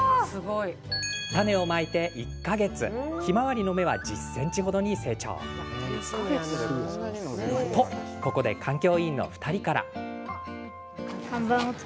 種をまいて１か月ひまわりの芽は１０ｃｍ程に成長。と、ここで環境委員の２人から。